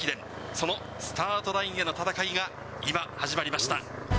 そのスタートラインへの戦いが、今、始まりました。